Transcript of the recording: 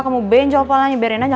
kamu benjol apa lainnya biarin aja